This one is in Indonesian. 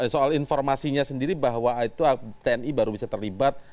soal informasinya sendiri bahwa itu tni baru bisa terlibat